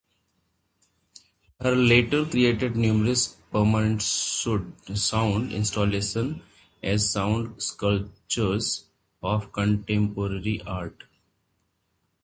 He later created numerous permanent sound installations as "sound sculptures" of contemporary art.